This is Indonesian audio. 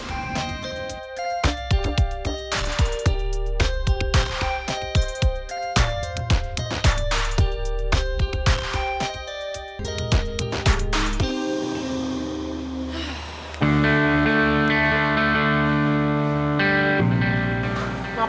terima kasih pak